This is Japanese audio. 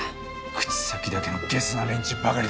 口先だけのゲスな連中ばかりだ。